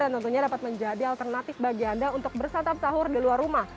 tentunya dapat menjadi alternatif bagi anda untuk bersantap sahur di luar rumah